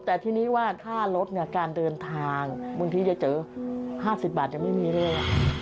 แต่ทีนี้ว่าค่ารถเนี่ยการเดินทางบางทีจะเจอ๕๐บาทยังไม่มีเลย